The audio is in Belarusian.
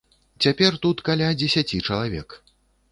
Цяпер тут каля дзесяці чалавек.